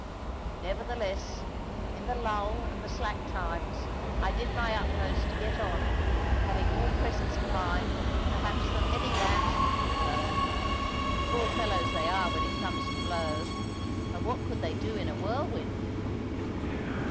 Nevertheless, in the lull and the slack times, I did my utmost to get on, having more presence of mind perhaps than any landsman could have owned. Poor fellows they are when it comes to blow; and what could they do in a whirlwind?